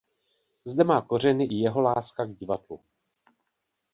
Zde má kořeny i jeho láska k divadlu.